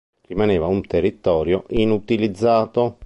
Rimaneva una territorio inutilizzato.